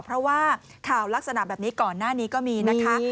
เพราะว่าข่าวลักษณะแบบนี้ก่อนหน้านี้ก็มีนะคะ